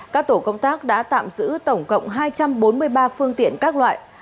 các tổ công tác đã tạm giữ tổng cộng hai trăm bốn mươi ba phương tiện các loại